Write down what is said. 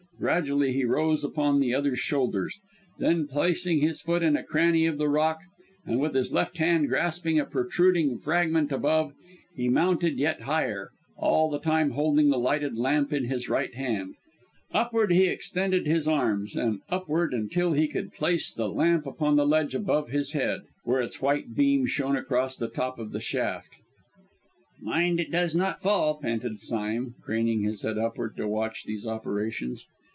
Gradually he rose upright upon the other's shoulders; then, placing his foot in a cranny of the rock, and with his left hand grasping a protruding fragment above, he mounted yet higher, all the time holding the lighted lamp in his right hand. Upward he extended his arms, and upward, until he could place the lamp upon the ledge above his head, where its white beam shone across the top of the shaft. "Mind it does not fall!" panted Sime, craning his head upward to watch these operations.